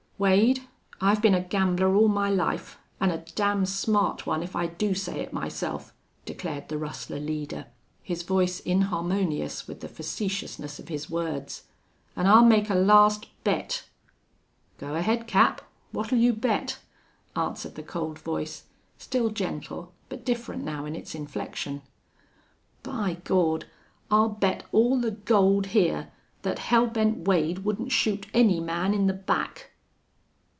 "Wade, I've been a gambler all my life, an' a damn smart one, if I do say it myself," declared the rustler leader, his voice inharmonious with the facetiousness of his words. "An' I'll make a last bet." "Go ahead, Cap. What'll you bet?" answered the cold voice, still gentle, but different now in its inflection. "By Gawd! I'll bet all the gold hyar that Hell Bent Wade wouldn't shoot any man in the back!"